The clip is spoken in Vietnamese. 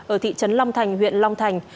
ở thị trấn long thành huyện long thành